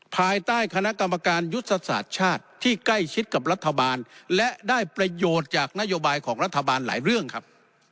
ภายใต้คณะกรรมการยุทธศาสตร์ชาติที่ใกล้ชิดกับรัฐบาลและได้ประโยชน์จากนโยบายของรัฐบาลหลายเรื่องครับ